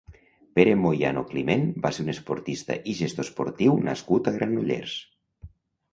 Pere Moyano Climent va ser un esportista i gestor esportiu nascut a Granollers.